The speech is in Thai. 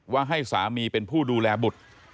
ว่าให้สามีเป็นผู้ดูแลบุตร